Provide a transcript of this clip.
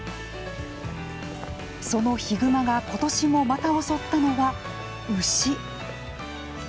そのヒグマが、ことしもまた襲ったのは牛。